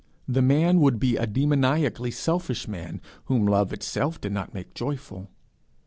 The man would be a demoniacally selfish man, whom love itself did not make joyful.